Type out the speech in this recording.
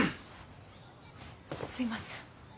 すいません。